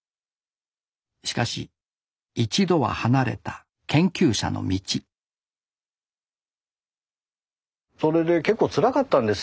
しかし一度は離れた研究者の道それで結構つらかったんですよね